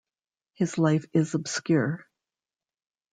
His life is obscure.